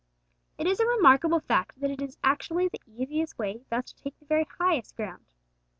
It is a remarkable fact that it is actually the easiest way thus to take the very highest ground.